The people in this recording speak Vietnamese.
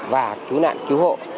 và cứu nạn cứu hộ